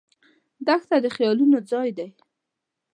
دښته د خیالونو ځای دی.